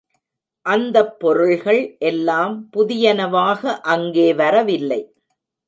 அந்தப் பொருள்கள் எல்லாம் புதியனவாக அங்கே வரவில்லை.